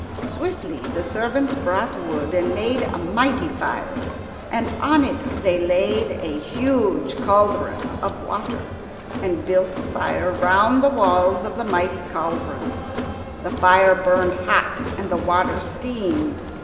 Swiftly the servants brought wood and made a mighty fire, and on it they laid a huge cauldron of water, and built the fire round the walls of the cauldron. The fire burned hot and the water steamed.